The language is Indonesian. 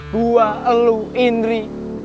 buah elu indri